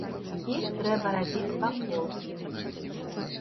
Іх трэба рабіць вакол.